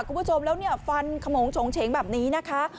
คุณผู้ชมแล้วเนี่ยฟันขมงโฉงเฉงแบบนี้นะคะ